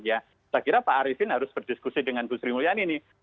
saya kira pak ariefin harus berdiskusi dengan gusri mulyani nih